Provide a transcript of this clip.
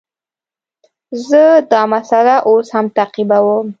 زه دا مسئله اوس هم تعقیبوم.